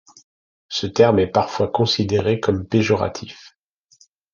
Ce terme est parfois considéré comme péjoratif.